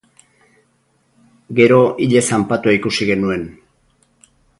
Gero ile zanpatua ikusi genuen...